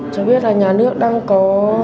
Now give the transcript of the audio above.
cháu biết là nhà nước đang có